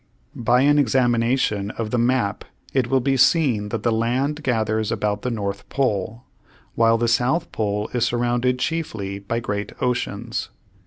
By an examination of the map it will be seen that the land gathers about the north pole, while the south pole is surrounded chiefly by great oceans.